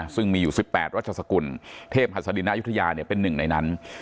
ซึ่งมีอยู่๑๘รัชสกุลเทพหัสดินุธยาเป็นหนึ่งในนั้น